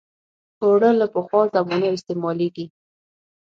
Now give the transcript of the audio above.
اوړه له پخوا زمانو استعمالېږي